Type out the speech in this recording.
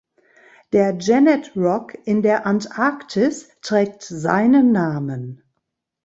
Der Janet Rock in der Antarktis trägt seinen Namen.